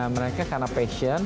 mereka karena passion